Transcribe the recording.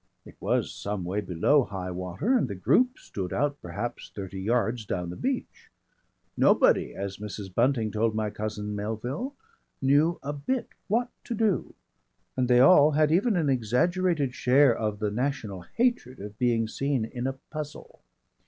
It was some way below high water and the group stood out perhaps thirty yards down the beach. Nobody, as Mrs. Bunting told my cousin Melville, knew a bit what to do and they all had even an exaggerated share of the national hatred of being seen in a puzzle.